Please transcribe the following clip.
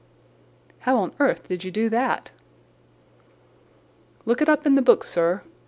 "How on earth did you do that?" "Look it up in the books, sir.